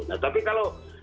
nah tapi kalau